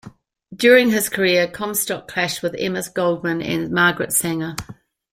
During his career, Comstock clashed with Emma Goldman and Margaret Sanger.